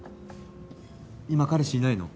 今彼氏いないの？